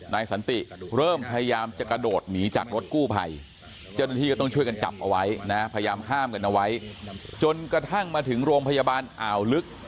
สันติเริ่มพยายามจะกระโดดหนีจากรถกู้ภัยเจ้าหน้าที่ก็ต้องช่วยกันจับเอาไว้นะพยายามห้ามกันเอาไว้จนกระทั่งมาถึงโรงพยาบาลอ่าวลึก